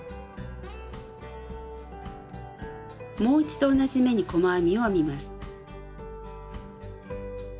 もう一度同じ目に細編みを編みます。